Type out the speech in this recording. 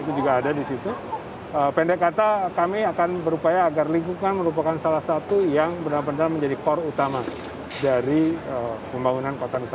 itu juga ada di situ pendek kata kami akan berupaya agar lingkungan merupakan salah satu yang benar benar menjadi core utama dari pembangunan kota nusantara